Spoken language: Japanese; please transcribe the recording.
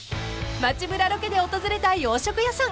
［街ブラロケで訪れた洋食屋さん］